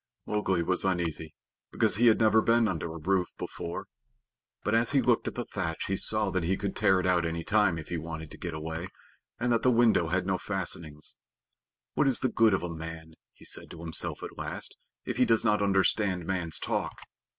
Mowgli was uneasy, because he had never been under a roof before. But as he looked at the thatch, he saw that he could tear it out any time if he wanted to get away, and that the window had no fastenings. "What is the good of a man," he said to himself at last, "if he does not understand man's talk?